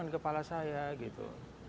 di kepala saya gitu